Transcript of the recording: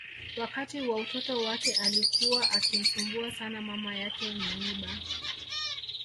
Wakati wa utoto wake alikuwa akimsumbua sana mama yake Nyanibah